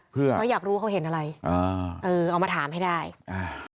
เพื่อเขาอยากรู้เขาเห็นอะไรอ่าเออเอามาถามให้ได้อ่า